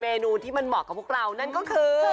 เมนูที่มันเหมาะกับพวกเรานั่นก็คือ